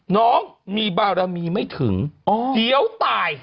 น้องมีบารมีไม่ถึงเดี๋ยวตาย